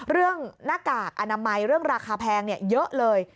หน้ากากอนามัยเรื่องราคาแพงเยอะเลย